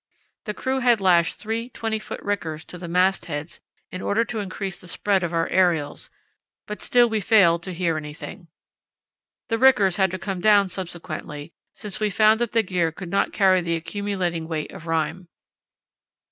The crew had lashed three 20 ft. rickers to the mast heads in order to increase the spread of our aerials, but still we failed to hear anything. The rickers had to come down subsequently, since we found that the gear could not carry the accumulating weight of rime.